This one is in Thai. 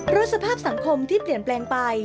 เพราะสภาพสังคมที่เปลี่ยนแปลงไป